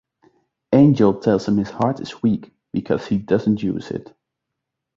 Angel tells him his heart is weak because he doesn't use it.